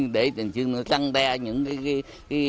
để trăng đe những gia đình